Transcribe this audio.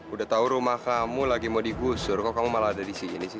udah tahu rumah kamu lagi mau digusur kok kamu malah ada di sini sih